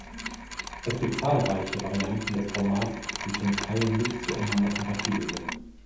Es gibt zahlreiche Varianten des Formats, die zum Teil nicht zueinander kompatibel sind.